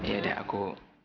ya udah aku